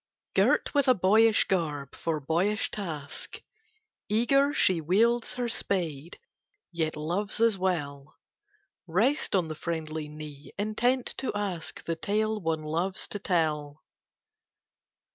Girt with a boyish garb for boyish task, Eager she wields her spade: yet loves as well Rest on the friendly knee, intent to ask The tale one loves to tell.